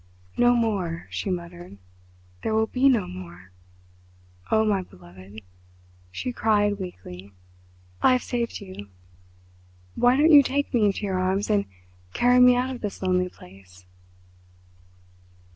"No more," she muttered. "There will be no more! Oh, my beloved," she cried weakly, "I've saved you! Why don't you take me into your arms and carry me out of this lonely place?"